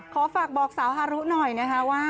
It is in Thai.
ขอฝากบอกสาวฮารุหน่อยนะคะว่า